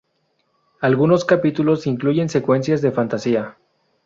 Algunos capítulos incluyen secuencias de fantasía.